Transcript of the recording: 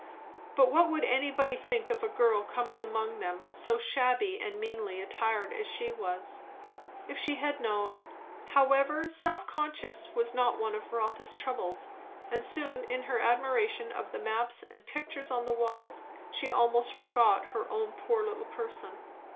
But what would anybody think of a girl coming among them so very shabby and meanly attired as she was? If she had known However, self consciousness was not one of Rotha's troubles, and soon in her admiration of the maps and pictures on the walls she almost forgot her own poor little person.